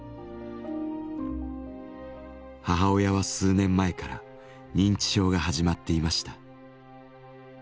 母親は数年前から認知症が始まっていました。